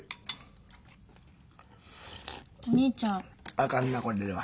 あかんなこれでは。